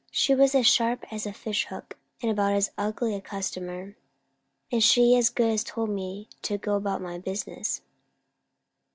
She was as sharp as a fish hook, and about as ugly a customer; and she as good as told me to go about my business."